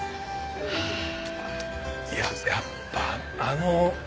いややっぱあの。